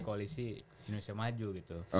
koalisi indonesia maju gitu